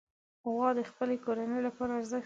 غوا د خپلې کورنۍ لپاره ارزښت لري.